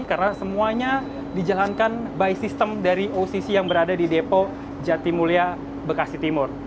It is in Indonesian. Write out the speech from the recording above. karena semuanya dijalankan by system dari occ yang berada di depo jatimulya bekasi timur